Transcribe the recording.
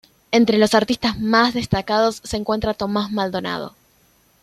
Entre los artistas más destacados se encuentran Tomás Maldonado.